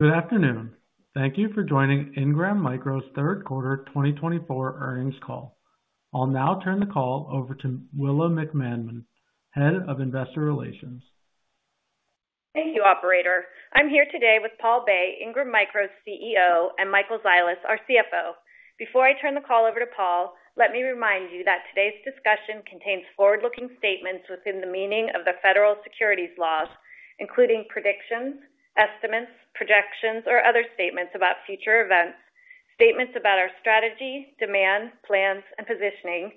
Good afternoon. Thank you for joining Ingram Micro's Q3 2024 earnings call. I'll now turn the call over to Willa McManmon, head of investor relations. Thank you, Operator. I'm here today with Paul Bay, Ingram Micro's CEO, and Michael Zilis, our CFO. Before I turn the call over to Paul, let me remind you that today's discussion contains forward-looking statements within the meaning of the Federal securities laws, including predictions, estimates, projections, or other statements about future events, statements about our strategy, demand, plans, and positioning,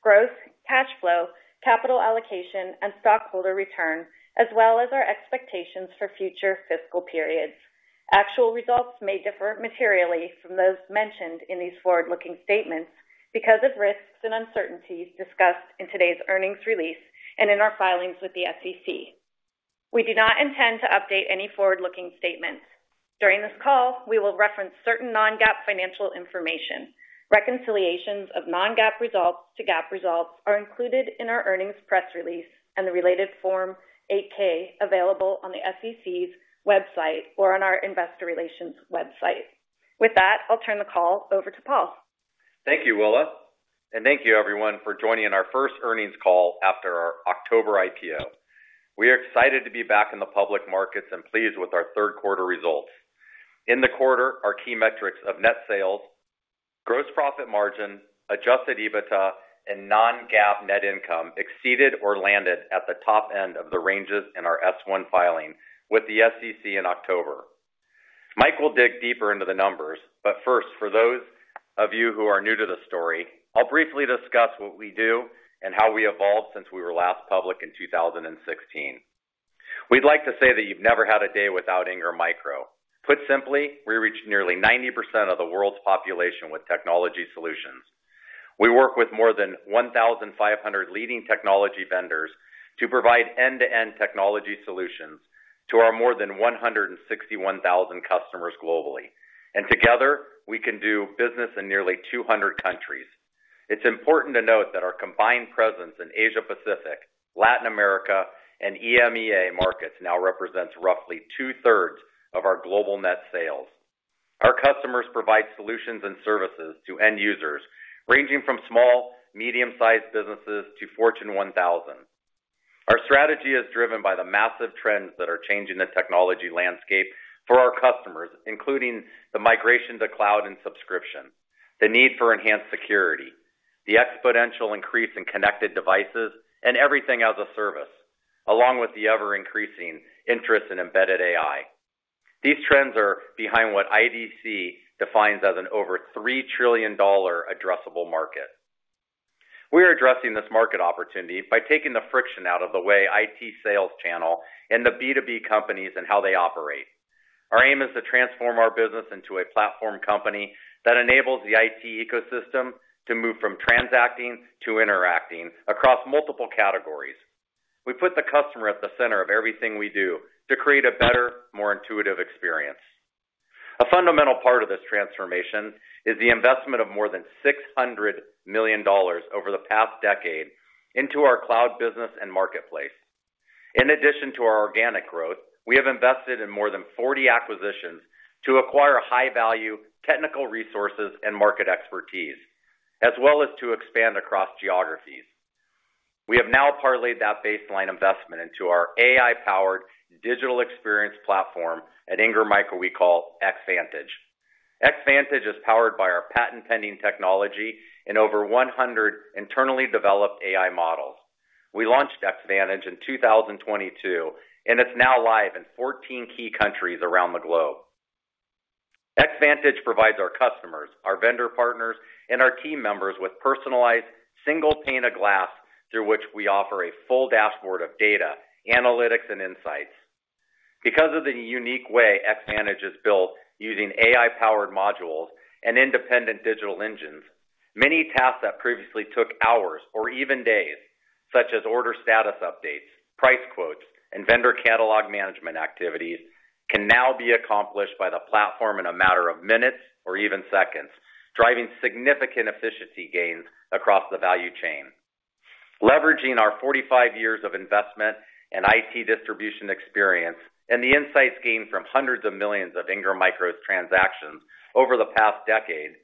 growth, cash flow, capital allocation, and stockholder return, as well as our expectations for future fiscal periods. Actual results may differ materially from those mentioned in these forward-looking statements because of risks and uncertainties discussed in today's earnings release and in our filings with the SEC. We do not intend to update any forward-looking statements. During this call, we will reference certain non-GAAP financial information. Reconciliations of non-GAAP results to GAAP results are included in our earnings press release and the related Form 8-K available on the SEC's website or on our investor relations website. With that, I'll turn the call over to Paul. Thank you, Willa. And thank you, everyone, for joining our first earnings call after our October IPO. We are excited to be back in the public markets and pleased with our Q3 results. In the quarter, our key metrics of net sales, gross profit margin, adjusted EBITDA, and non-GAAP net income exceeded or landed at the top end of the ranges in our S-1 filing with the SEC in October. Mike will dig deeper into the numbers, but first, for those of you who are new to the story, I'll briefly discuss what we do and how we evolved since we were last public in 2016. We'd like to say that you've never had a day without Ingram Micro. Put simply, we reach nearly 90% of the world's population with technology solutions. We work with more than 1,500 leading technology vendors to provide end-to-end technology solutions to our more than 161,000 customers globally, and together, we can do business in nearly 200 countries. It's important to note that our combined presence in Asia-Pacific, Latin America, and EMEA markets now represents roughly two-thirds of our global net sales. Our customers provide solutions and services to end users ranging from small, medium-sized businesses to Fortune 1000. Our strategy is driven by the massive trends that are changing the technology landscape for our customers, including the migration to Cloud and subscription, the need for enhanced security, the exponential increase in connected devices, and everything as a service, along with the ever-increasing interest in embedded AI. These trends are behind what IDC defines as an over $3 trillion addressable market. We are addressing this market opportunity by taking the friction out of the way the IT sales channel and the B2B companies and how they operate. Our aim is to transform our business into a platform company that enables the IT ecosystem to move from transacting to interacting across multiple categories. We put the customer at the center of everything we do to create a better, more intuitive experience. A fundamental part of this transformation is the investment of more than $600 million over the past decade into our Cloud business and marketplace. In addition to our organic growth, we have invested in more than 40 acquisitions to acquire high-value technical resources and market expertise, as well as to expand across geographies. We have now parlayed that baseline investment into our AI-powered digital experience platform at Ingram Micro we call Xvantage. Xvantage is powered by our patent-pending technology and over 100 internally developed AI models. We launched Xvantage in 2022, and it's now live in 14 key countries around the globe. Xvantage provides our customers, our vendor partners, and our team members with personalized, single pane of glass through which we offer a full dashboard of data, analytics, and insights. Because of the unique way Xvantage is built using AI-powered modules and independent digital engines, many tasks that previously took hours or even days, such as order status updates, price quotes, and vendor catalog management activities, can now be accomplished by the platform in a matter of minutes or even seconds, driving significant efficiency gains across the value chain. Leveraging our 45 years of investment and IT distribution experience and the insights gained from hundreds of millions of Ingram Micro's transactions over the past decade,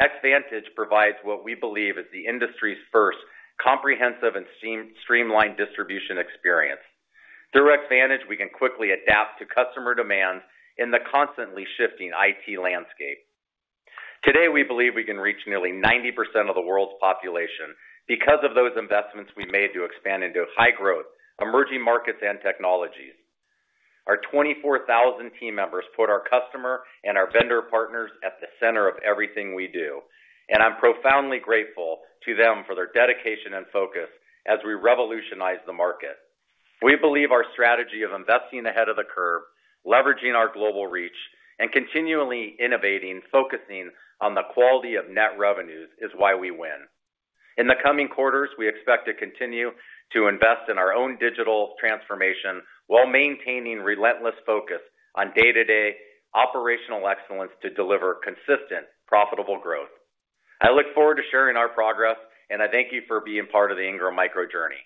Xvantage provides what we believe is the industry's first comprehensive and streamlined distribution experience. Through Xvantage, we can quickly adapt to customer demands in the constantly shifting IT landscape. Today, we believe we can reach nearly 90% of the world's population because of those investments we made to expand into high-growth, emerging markets, and technologies. Our 24,000 team members put our customer and our vendor partners at the center of everything we do, and I'm profoundly grateful to them for their dedication and focus as we revolutionize the market. We believe our strategy of investing ahead of the curve, leveraging our global reach, and continually innovating, focusing on the quality of net revenues is why we win. In the coming quarters, we expect to continue to invest in our own digital transformation while maintaining relentless focus on day-to-day operational excellence to deliver consistent, profitable growth. I look forward to sharing our progress, and I thank you for being part of the Ingram Micro journey.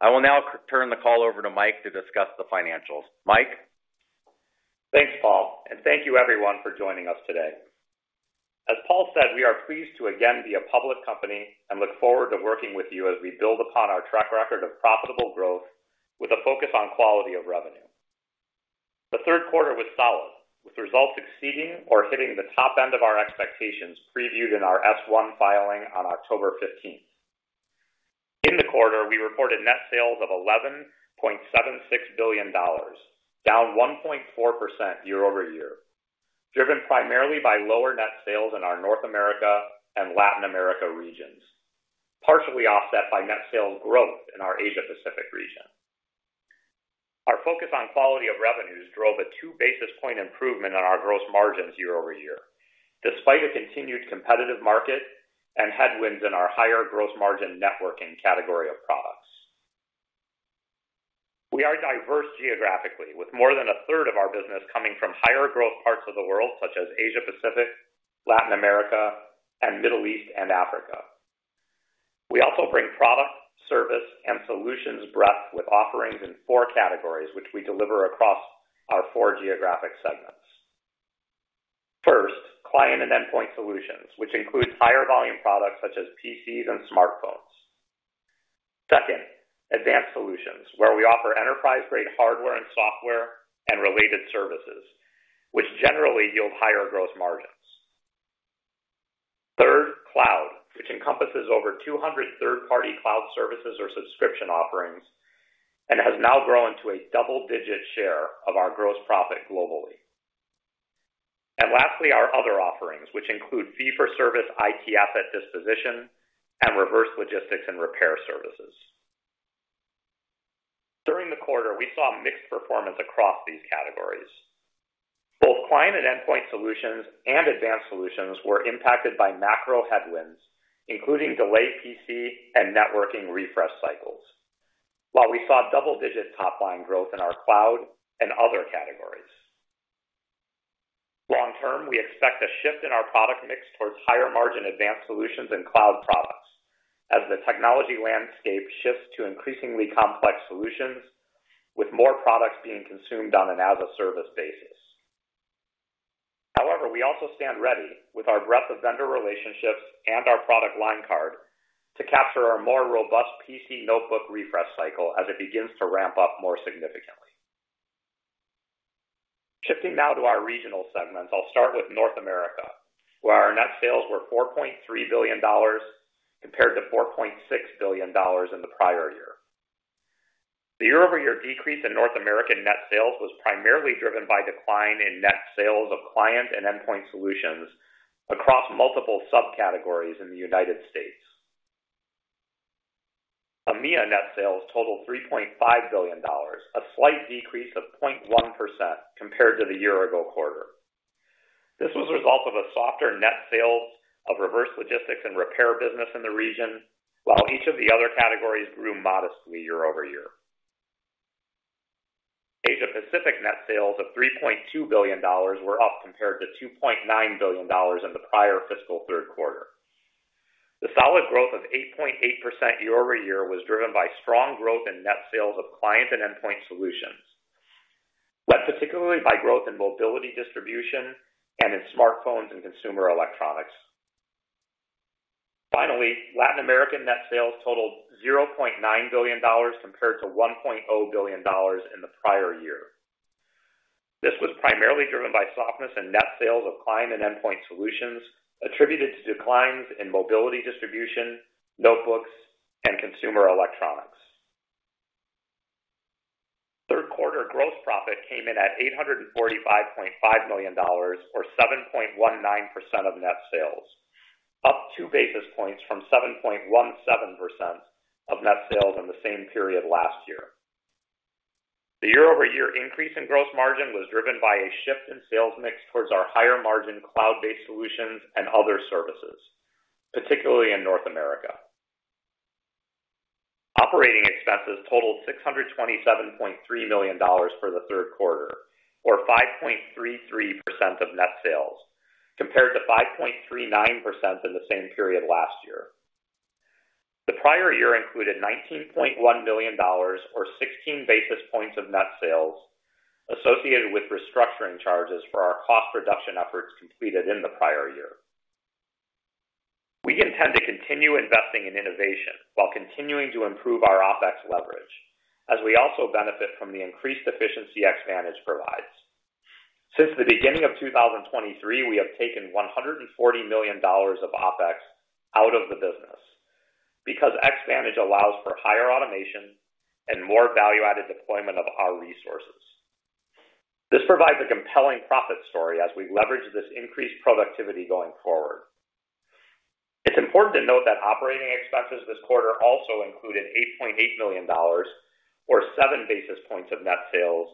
I will now turn the call over to Mike to discuss the financials. Mike. Thanks, Paul, and thank you, everyone, for joining us today. As Paul said, we are pleased to again be a public company and look forward to working with you as we build upon our track record of profitable growth with a focus on quality of revenue. The Q3 was solid, with results exceeding or hitting the top end of our expectations previewed in our S-1 filing on October 15th. In the quarter, we reported net sales of $11.76 billion, down 1.4% year over year, driven primarily by lower net sales in our North America and Latin America regions, partially offset by net sales growth in our Asia-Pacific region. Our focus on quality of revenues drove a two basis points improvement in our gross margins year over year, despite a continued competitive market and headwinds in our higher gross margin networking category of products. We are diverse geographically, with more than a third of our business coming from higher growth parts of the world, such as Asia-Pacific, Latin America, and Middle East and Africa. We also bring product, service, and solutions breadth with offerings in four categories, which we deliver across our four geographic segments. First, Client and Endpoint Solutions, which includes higher volume products such as PCs and smartphones. Second, Advanced Solutions, where we offer enterprise-grade hardware and software and related services, which generally yield higher gross margins. Third, Cloud, which encompasses over 200 third-party Cloud services or subscription offerings and has now grown to a double-digit share of our gross profit globally. And lastly, our other offerings, which include fee-for-service IT asset disposition and reverse logistics and repair services. During the quarter, we saw mixed performance across these categories. Both Client and Endpoint Solutions and Advanced Solutions were impacted by macro headwinds, including delayed PC and networking refresh cycles, while we saw double-digit top-line growth in our Cloud and other categories. Long-term, we expect a shift in our product mix towards higher margin Advanced Solutions and Cloud products as the technology landscape shifts to increasingly complex solutions, with more products being consumed on an as-a-service basis. However, we also stand ready with our breadth of vendor relationships and our product line card to capture our more robust PC notebook refresh cycle as it begins to ramp up more significantly. Shifting now to our regional segments, I'll start with North America, where our Net Sales were $4.3 billion compared to $4.6 billion in the prior year. The year-over-year decrease in North America net sales was primarily driven by decline in net sales of Client and Endpoint Solutions across multiple subcategories in the United States. EMEA net sales totaled $3.5 billion, a slight decrease of 0.1% compared to the year-ago quarter. This was a result of a softer net sales of reverse logistics and repair business in the region, while each of the other categories grew modestly year-over-year. Asia-Pacific net sales of $3.2 billion were up compared to $2.9 billion in the prior fiscal Q3. The solid growth of 8.8% year-over-year was driven by strong growth in net sales of Client and Endpoint Solutions, but particularly by growth in mobility distribution and in smartphones and consumer electronics. Finally, Latin America net sales totaled $0.9 billion compared to $1.0 billion in the prior year. This was primarily driven by softness in net sales of Client and Endpoint Solutions attributed to declines in mobility distribution, notebooks, and consumer electronics. Q3 gross profit came in at $845.5 million, or 7.19% of net sales, up two basis points from 7.17% of net sales in the same period last year. The year-over-year increase in gross margin was driven by a shift in sales mix towards our higher margin Cloud-based solutions and other services, particularly in North America. Operating expenses totaled $627.3 million for the Q3, or 5.33% of net sales, compared to 5.39% in the same period last year. The prior year included $19.1 million, or 16 basis points of net sales, associated with restructuring charges for our cost reduction efforts completed in the prior year. We intend to continue investing in innovation while continuing to improve our OpEx leverage, as we also benefit from the increased efficiency Xvantage provides. Since the beginning of 2023, we have taken $140 million of OpEx out of the business because Xvantage allows for higher automation and more value-added deployment of our resources. This provides a compelling profit story as we leverage this increased productivity going forward. It's important to note that operating expenses this quarter also included $8.8 million, or 7 basis points of net sales,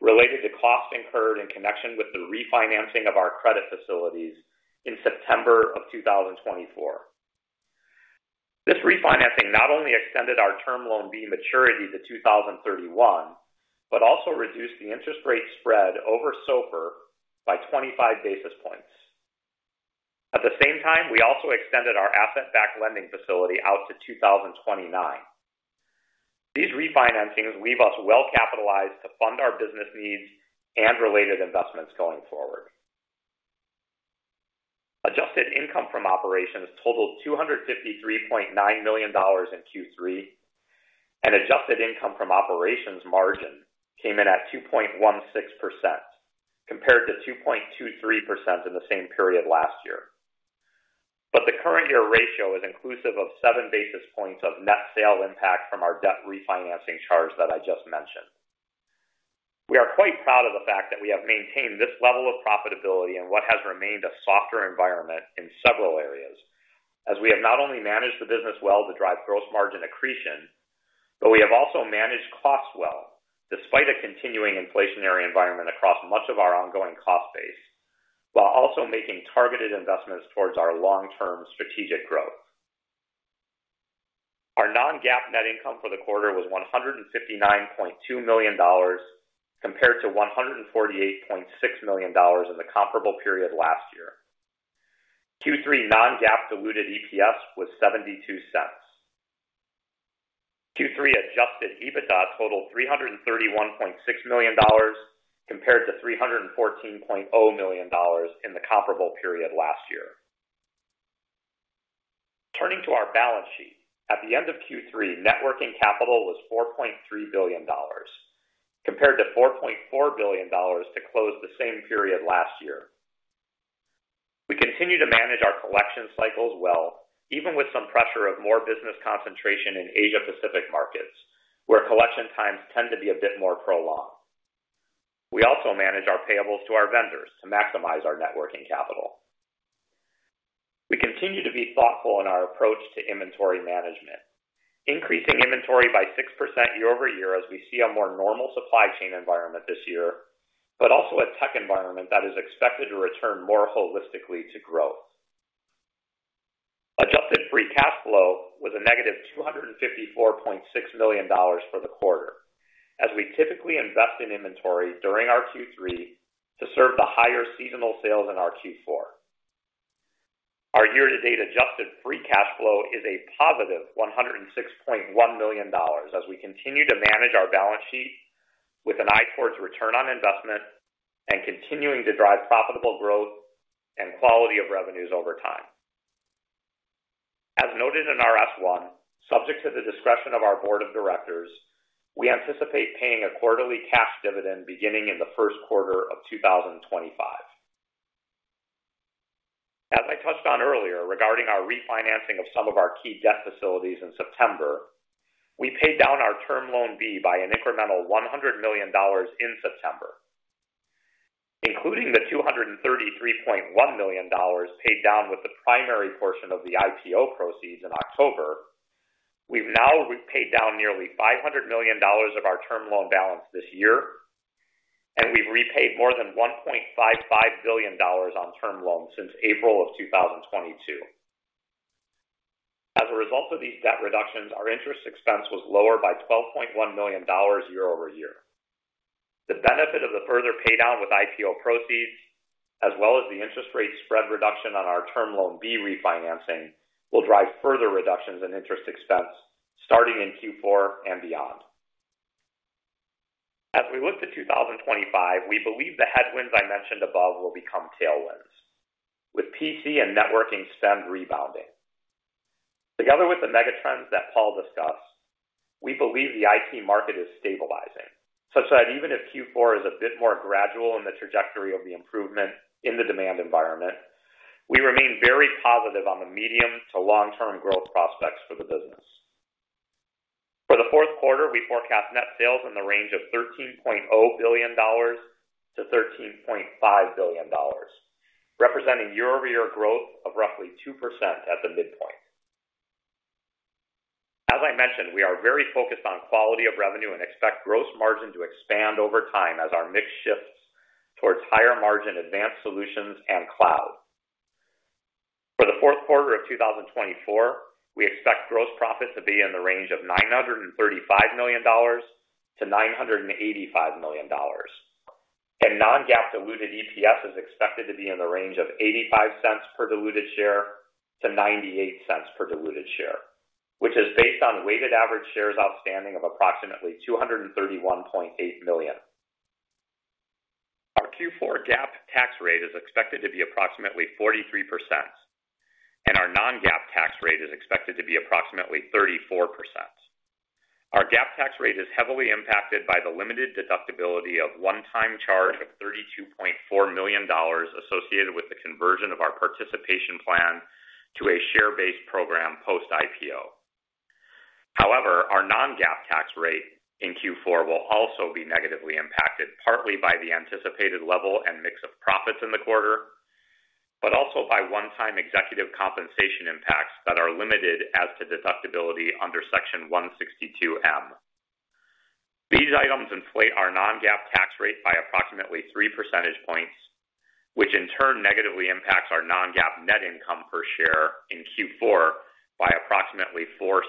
related to costs incurred in connection with the refinancing of our credit facilities in September of 2024. This refinancing not only extended our Term Loan B maturity to 2031, but also reduced the interest rate spread over SOFR by 25 basis points. At the same time, we also extended our asset-backed lending facility out to 2029. These refinancings leave us well-capitalized to fund our business needs and related investments going forward. Adjusted income from operations totaled $253.9 million in Q3, and adjusted income from operations margin came in at 2.16% compared to 2.23% in the same period last year. But the current year ratio is inclusive of 7 basis points of net sale impact from our debt refinancing charge that I just mentioned. We are quite proud of the fact that we have maintained this level of profitability in what has remained a softer environment in several areas, as we have not only managed the business well to drive gross margin accretion, but we have also managed costs well despite a continuing inflationary environment across much of our ongoing cost base, while also making targeted investments towards our long-term strategic growth. Our Non-GAAP net income for the quarter was $159.2 million compared to $148.6 million in the comparable period last year. Q3 Non-GAAP diluted EPS was $0.72. Q3 Adjusted EBITDA totaled $331.6 million compared to $314.0 million in the comparable period last year. Turning to our balance sheet, at the end of Q3, net working capital was $4.3 billion compared to $4.4 billion at close of the same period last year. We continue to manage our collection cycles well, even with some pressure of more business concentration in Asia-Pacific markets, where collection times tend to be a bit more prolonged. We also manage our payables to our vendors to maximize our net working capital. We continue to be thoughtful in our approach to inventory management, increasing inventory by 6% year-over-year as we see a more normal supply chain environment this year, but also a tech environment that is expected to return more holistically to growth. Adjusted free cash flow was a negative $254.6 million for the quarter, as we typically invest in inventory during our Q3 to serve the higher seasonal sales in our Q4. Our year-to-date adjusted free cash flow is a positive $106.1 million as we continue to manage our balance sheet with an eye towards return on investment and continuing to drive profitable growth and quality of revenues over time. As noted in our S-1, subject to the discretion of our board of directors, we anticipate paying a quarterly cash dividend beginning in the Q1 of 2025. As I touched on earlier regarding our refinancing of some of our key debt facilities in September, we paid down our Term Loan B by an incremental $100 million in September. Including the $233.1 million paid down with the primary portion of the IPO proceeds in October, we've now paid down nearly $500 million of our Term Loan B balance this year, and we've repaid more than $1.55 billion on Term Loans since April of 2022. As a result of these debt reductions, our interest expense was lower by $12.1 million year-over-year. The benefit of the further paydown with IPO proceeds, as well as the interest rate spread reduction on our Term Loan B refinancing, will drive further reductions in interest expense starting in Q4 and beyond. As we look to 2025, we believe the headwinds I mentioned above will become tailwinds, with PC and networking spend rebounding. Together with the megatrends that Paul discussed, we believe the IT market is stabilizing, such that even if Q4 is a bit more gradual in the trajectory of the improvement in the demand environment, we remain very positive on the medium to long-term growth prospects for the business. For the Q4, we forecast net sales in the range of $13.0 billion-$13.5 billion, representing year-over-year growth of roughly 2% at the midpoint. As I mentioned, we are very focused on quality of revenue and expect gross margin to expand over time as our mix shifts towards higher margin Advanced Solutions and Cloud. For the Q4 of 2024, we expect gross profit to be in the range of $935 million-$985 million, and non-GAAP diluted EPS is expected to be in the range of $0.85-$0.98 per diluted share, which is based on weighted average shares outstanding of approximately 231.8 million. Our Q4 GAAP tax rate is expected to be approximately 43%, and our non-GAAP tax rate is expected to be approximately 34%. Our GAAP tax rate is heavily impacted by the limited deductibility of one-time charge of $32.4 million associated with the conversion of our participation plan to a share-based program post-IPO. However, our non-GAAP tax rate in Q4 will also be negatively impacted partly by the anticipated level and mix of profits in the quarter, but also by one-time executive compensation impacts that are limited as to deductibility under Section 162(m). These items inflate our Non-GAAP tax rate by approximately 3 percentage points, which in turn negatively impacts our Non-GAAP net income per share in Q4 by approximately $0.04.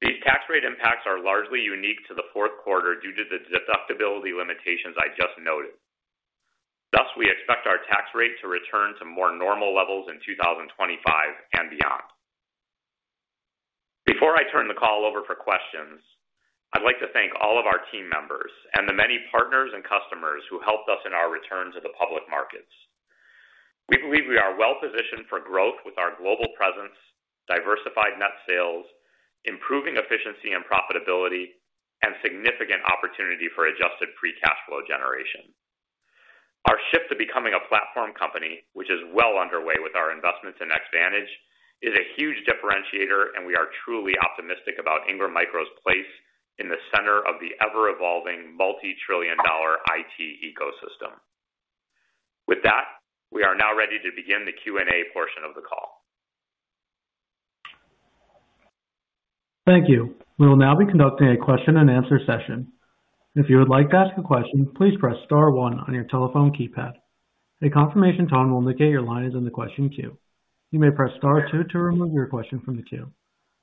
These tax rate impacts are largely unique to the Q4 due to the deductibility limitations I just noted. Thus, we expect our tax rate to return to more normal levels in 2025 and beyond. Before I turn the call over for questions, I'd like to thank all of our team members and the many partners and customers who helped us in our return to the public markets. We believe we are well-positioned for growth with our global presence, diversified net sales, improving efficiency and profitability, and significant opportunity for Adjusted Free Cash Flow generation. Our shift to becoming a platform company, which is well underway with our investments in Xvantage, is a huge differentiator, and we are truly optimistic about Ingram Micro's place in the center of the ever-evolving multi-trillion-dollar IT ecosystem. With that, we are now ready to begin the Q&A portion of the call. Thank you. We will now be conducting a question-and-answer session. If you would like to ask a question, please press star 1 on your telephone keypad. A confirmation tone will indicate your line is in the question queue. You may press star 2 to remove your question from the queue.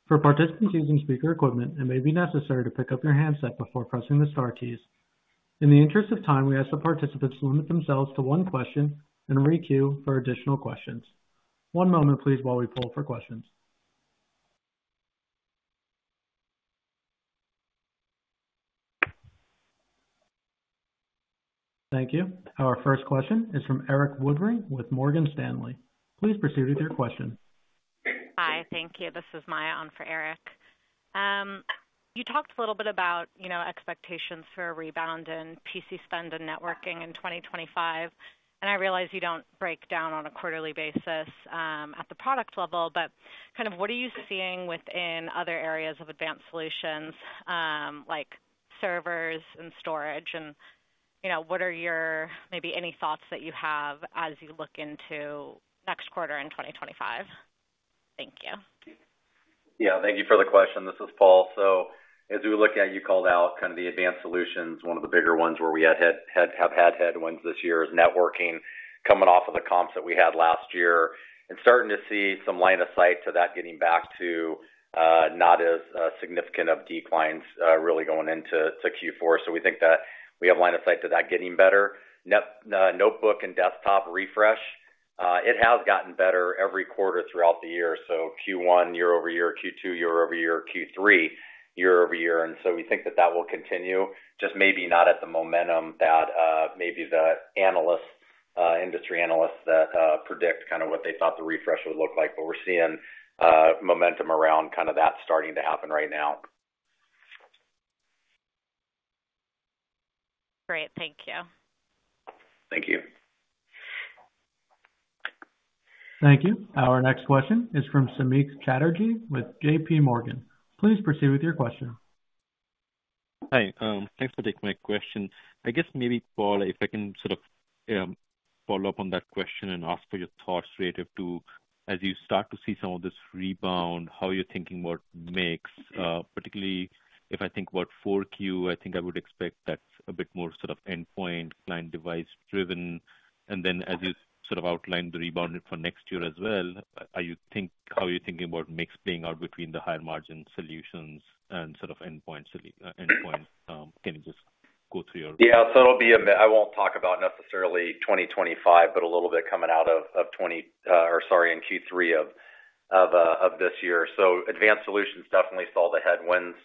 For participants using speaker equipment, it may be necessary to pick up your handset before pressing the star keys. In the interest of time, we ask the participants to limit themselves to one question and re-queue for additional questions. One moment, please, while we pull for questions. Thank you. Our first question is from Eric Woodring with Morgan Stanley. Please proceed with your question. Hi. Thank you. This is Maya, on for Eric. You talked a little bit about expectations for a rebound in PC spend and networking in 2025, and I realize you don't break down on a quarterly basis at the product level, but kind of what are you seeing within other areas of Advanced Solutions like servers and storage? And what are your maybe any thoughts that you have as you look into next quarter in 2025? Thank you. Yeah. Thank you for the question. This is Paul. So as we were looking at, you called out kind of the Advanced Solutions, one of the bigger ones where we have had headwinds this year is Networking coming off of the comps that we had last year and starting to see some line of sight to that getting back to not as significant of declines really going into Q4. So we think that we have line of sight to that getting better. Notebook and desktop refresh, it has gotten better every quarter throughout the year. So Q1, year-over-year; Q2, year-over-year; Q3, year-over-year. And so we think that that will continue, just maybe not at the momentum that maybe the industry analysts that predict kind of what they thought the refresh would look like, but we're seeing momentum around kind of that starting to happen right now. Great. Thank you. Thank you. Thank you. Our next question is from Samik Chatterjee with J.P. Morgan. Please proceed with your question. Hi. Thanks for taking my question. I guess maybe, Paul, if I can sort of follow up on that question and ask for your thoughts relative to as you start to see some of this rebound, how you're thinking about mix, particularly if I think about 4Q. I think I would expect that's a bit more sort of endpoint, client device-driven. And then as you sort of outlined the rebound for next year as well, how are you thinking about mix playing out between the higher margin solutions and sort of endpoint? Can you just go through your? Yeah. So it'll be a bit I won't talk about necessarily 2025, but a little bit coming out of 20 or sorry, in Q3 of this year. So Advanced Solutions definitely saw the headwinds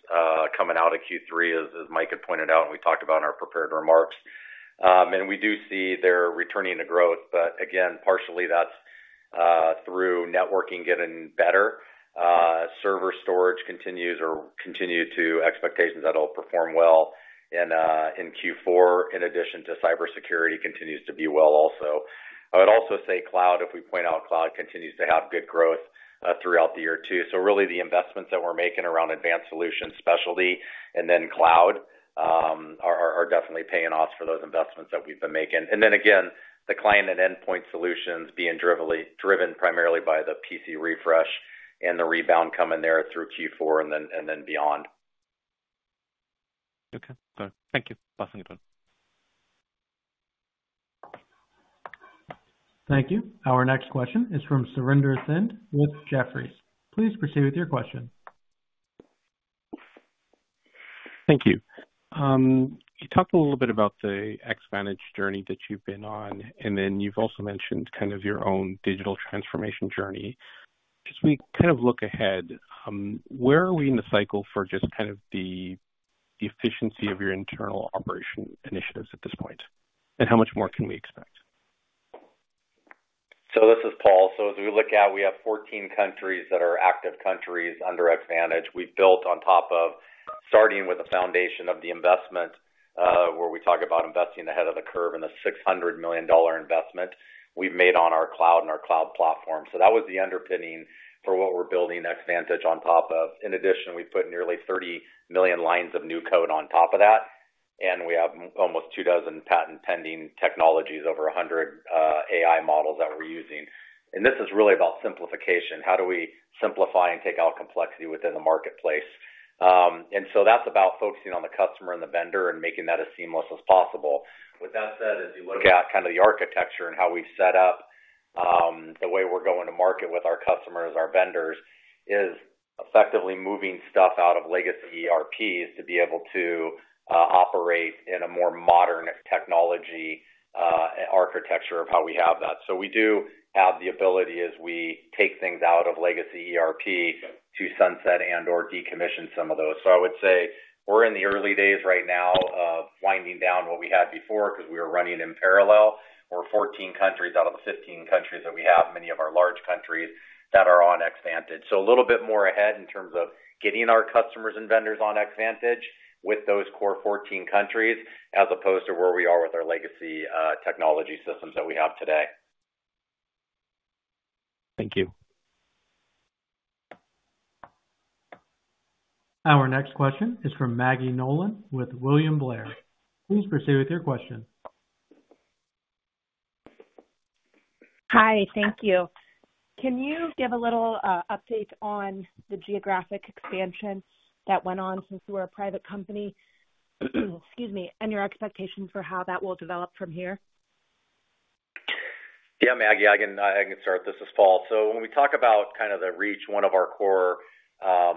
coming out of Q3, as Mike had pointed out, and we talked about in our prepared remarks. And we do see they're returning to growth, but again, partially that's through Networking getting better. Server storage continues or continued to expectations that it'll perform well in Q4, in addition to cybersecurity continues to be well also. I would also say Cloud, if we point out Cloud, continues to have good growth throughout the year too. So really the investments that we're making around Advanced Solutions, specialty, and then Cloud are definitely paying off for those investments that we've been making. And then again, the Client and Endpoint Solutions being driven primarily by the PC refresh and the rebound coming there through Q4 and then beyond. Okay. Got it. Thank you. Passing it on. Thank you. Our next question is from Surinder Thind with Jefferies. Please proceed with your question. Thank you. You talked a little bit about the Xvantage journey that you've been on, and then you've also mentioned kind of your own digital transformation journey. As we kind of look ahead, where are we in the cycle for just kind of the efficiency of your internal operation initiatives at this point, and how much more can we expect? So this is Paul. So as we look out, we have 14 countries that are active countries under Xvantage. We've built on top of starting with the foundation of the investment where we talk about investing ahead of the curve in a $600 million investment. We've made on our cloud and our cloud platform. So that was the underpinning for what we're building Xvantage on top of. In addition, we've put nearly 30 million lines of new code on top of that, and we have almost two dozen patent-pending technologies, over 100 AI models that we're using, and this is really about simplification. How do we simplify and take out complexity within the marketplace? So that's about focusing on the customer and the vendor and making that as seamless as possible. With that said, as you look at kind of the architecture and how we've set up the way we're going to market with our customers, our vendors, is effectively moving stuff out of legacy ERPs to be able to operate in a more modern technology architecture of how we have that, so we do have the ability as we take things out of legacy ERP to sunset and/or decommission some of those. So I would say we're in the early days right now of winding down what we had before because we were running in parallel. We're 14 countries out of the 15 countries that we have, many of our large countries that are on Xvantage. So a little bit more ahead in terms of getting our customers and vendors on Xvantage with those core 14 countries as opposed to where we are with our legacy technology systems that we have today. Thank you. Our next question is from Maggie Nolan with William Blair. Please proceed with your question. Hi. Thank you. Can you give a little update on the geographic expansion that went on since you were a private company? Excuse me. And your expectations for how that will develop from here? Yeah, Maggie. I can start. This is Paul. So when we talk about kind of the reach, one of our core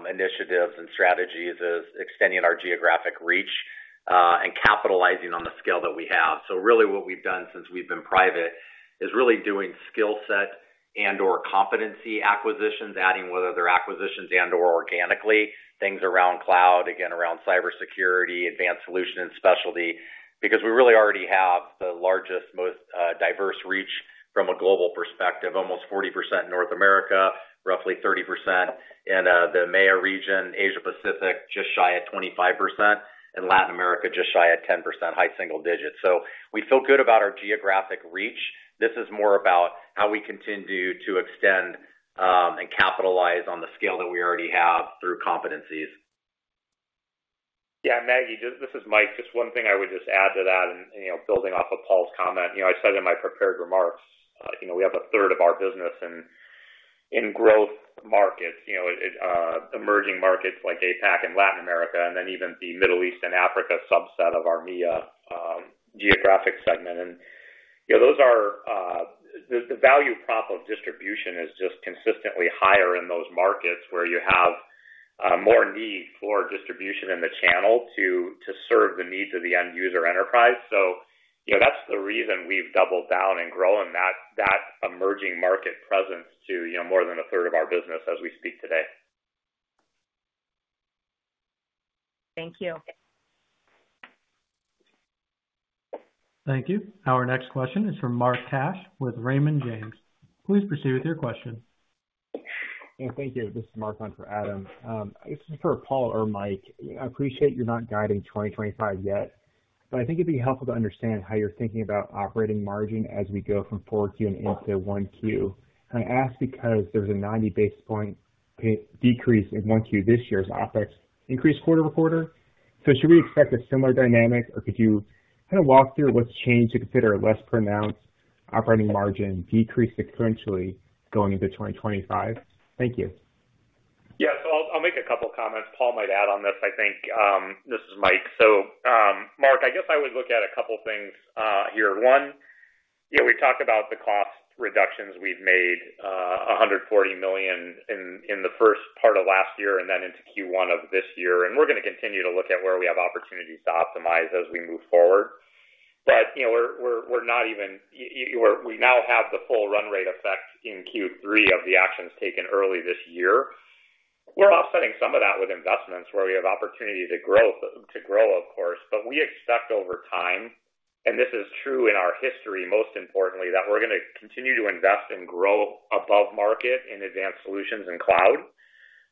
initiatives and strategies is extending our geographic reach and capitalizing on the scale that we have. So really what we've done since we've been private is really doing skill set and/or competency acquisitions, adding whether they're acquisitions and/or organically, things around cloud, again, around cybersecurity, advanced solution, and specialty, because we really already have the largest, most diverse reach from a global perspective, almost 40% in North America, roughly 30% in the EMEA region, Asia-Pacific just shy of 25%, and Latin America just shy of 10%, high single digits. So we feel good about our geographic reach. This is more about how we continue to extend and capitalize on the scale that we already have through competencies. Yeah. Maggie, this is Mike. Just one thing I would just add to that and building off of Paul's comment. I said in my prepared remarks, we have a third of our business in growth markets, emerging markets like APAC and Latin America, and then even the Middle East and Africa subset of our MEA geographic segment, and those are the value prop of distribution is just consistently higher in those markets where you have more need for distribution in the channel to serve the needs of the end user enterprise. So that's the reason we've doubled down and grown that emerging market presence to more than a third of our business as we speak today. Thank you. Thank you. Our next question is from Mark Cash with Raymond James. Please proceed with your question. Thank you. This is Mark Cash for Adam. This is for Paul or Mike. I appreciate you're not guiding 2025 yet, but I think it'd be helpful to understand how you're thinking about operating margin as we go from 4Q and into 1Q. I ask because there's a 90 basis points decrease in 1Q this year's OPEX increase quarter to quarter. Should we expect a similar dynamic, or could you kind of walk through what's changed to consider a less pronounced operating margin decrease sequentially going into 2025? Thank you. Yeah. So I'll make a couple of comments. Paul might add on this. I think this is Mike. So Mark, I guess I would look at a couple of things here. One, we talked about the cost reductions we've made, $140 million in the first part of last year and then into Q1 of this year. And we're going to continue to look at where we have opportunities to optimize as we move forward. But we're not even. We now have the full run rate effect in Q3 of the actions taken early this year. We're offsetting some of that with investments where we have opportunity to grow, of course, but we expect over time, and this is true in our history, most importantly, that we're going to continue to invest and grow above market in advanced solutions and cloud.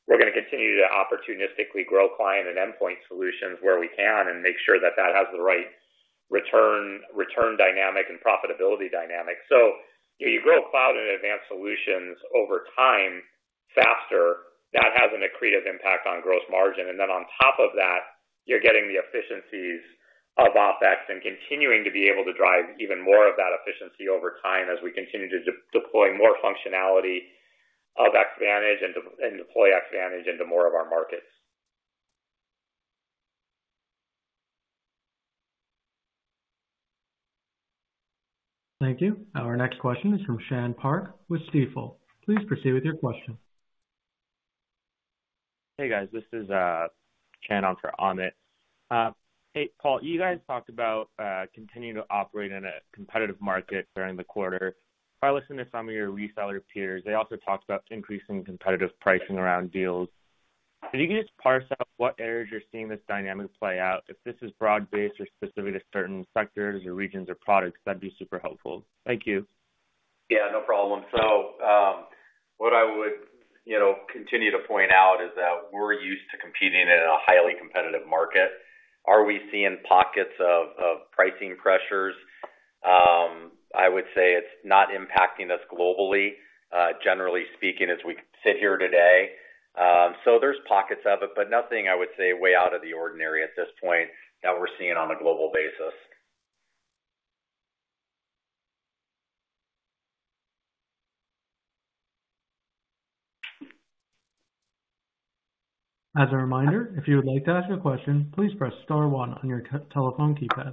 We're going to continue to opportunistically grow client and endpoint solutions where we can and make sure that that has the right return dynamic and profitability dynamic. So you grow cloud and advanced solutions over time faster. That has an accretive impact on gross margin. And then on top of that, you're getting the efficiencies of OpEx and continuing to be able to drive even more of that efficiency over time as we continue to deploy more functionality of Xvantage and deploy Xvantage into more of our markets. Thank you. Our next question is from Shan Park with Stifel. Please proceed with your question. Hey, guys. This is Shan on for Amit. Hey, Paul, you guys talked about continuing to operate in a competitive market during the quarter. I listened to some of your reseller peers. They also talked about increasing competitive pricing around deals. If you could just parse out what areas you're seeing this dynamic play out, if this is broad-based or specific to certain sectors or regions or products, that'd be super helpful. Thank you. Yeah. No problem. So what I would continue to point out is that we're used to competing in a highly competitive market. Are we seeing pockets of pricing pressures? I would say it's not impacting us globally, generally speaking, as we sit here today. So there's pockets of it, but nothing, I would say, way out of the ordinary at this point that we're seeing on a global basis. As a reminder, if you would like to ask a question, please press star one on your telephone keypad.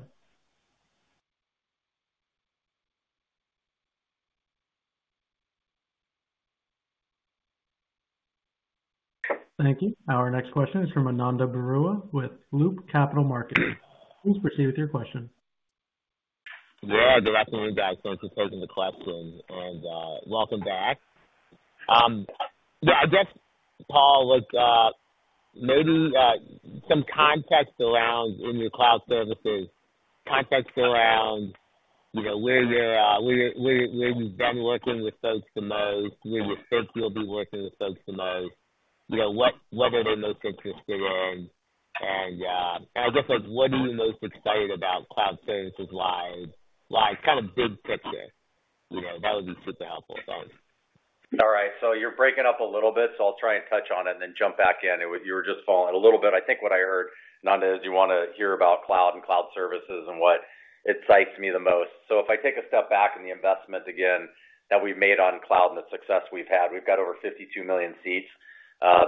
Thank you. Our next question is from Ananda Baruah with Loop Capital Markets. Please proceed with your question. Yeah. Good afternoon, guys. Thanks for taking the question. And welcome back. Yeah. I guess, Paul, maybe some context around in your cloud services, context around where you've been working with folks the most, where you think you'll be working with folks the most, what are they most interested in? And I guess, what are you most excited about cloud services-wise? Kind of big picture. That would be super helpful. Thanks. All right. So you're breaking up a little bit, so I'll try and touch on it and then jump back in. You were just following a little bit. I think what I heard, Ananda, is you want to hear about cloud and cloud services and what excites me the most. So if I take a step back in the investment again that we've made on cloud and the success we've had, we've got over 52 million seats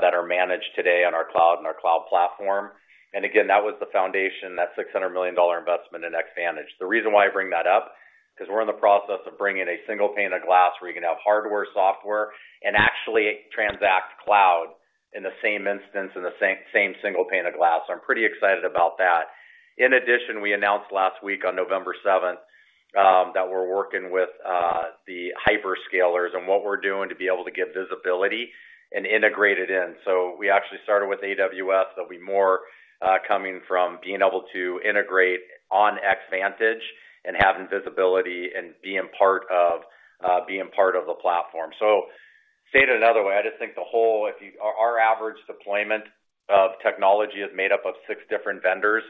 that are managed today on our cloud and our cloud platform. Again, that was the foundation, that $600 million investment in Xvantage. The reason why I bring that up is because we're in the process of bringing a single pane of glass where you can have hardware, software, and actually transact cloud in the same instance, in the same single pane of glass. I'm pretty excited about that. In addition, we announced last week on November 7th that we're working with the hyperscalers and what we're doing to be able to get visibility and integrate it in. So we actually started with AWS. There'll be more coming from being able to integrate on Xvantage and having visibility and being part of the platform. So saying it another way, I just think the whole, our average deployment of technology is made up of six different vendors,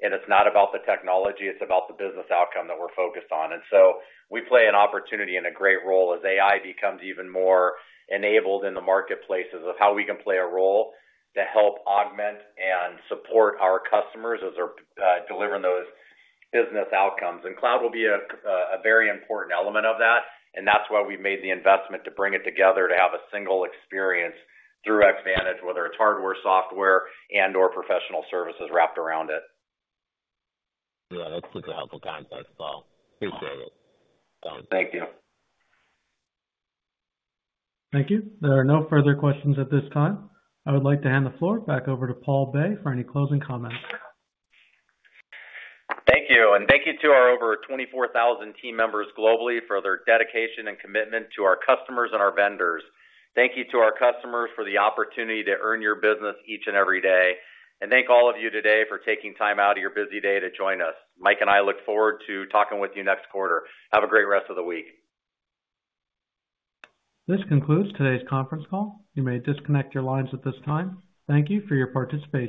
and it's not about the technology. It's about the business outcome that we're focused on. And so we see an opportunity and a great role as AI becomes even more enabled in the marketplace of how we can play a role to help augment and support our customers as they're delivering those business outcomes. And cloud will be a very important element of that, and that's why we've made the investment to bring it together to have a single experience through Xvantage, whether it's hardware, software, and/or professional services wrapped around it. Yeah. That's super helpful context, Paul. Appreciate it. Thank you. Thank you. There are no further questions at this time. I would like to hand the floor back over to Paul Bay for any closing comments. Thank you. And thank you to our over 24,000 team members globally for their dedication and commitment to our customers and our vendors. Thank you to our customers for the opportunity to earn your business each and every day. Thank all of you today for taking time out of your busy day to join us. Mike and I look forward to talking with you next quarter. Have a great rest of the week. This concludes today's conference call. You may disconnect your lines at this time. Thank you for your participation.